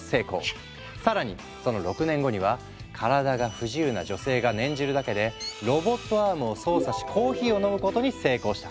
更にその６年後には体が不自由な女性が念じるだけでロボットアームを操作しコーヒーを飲むことに成功した。